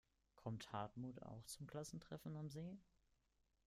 Kommt Hartmut auch zum Klassentreffen am See?